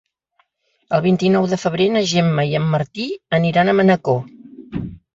El vint-i-nou de febrer na Gemma i en Martí aniran a Manacor.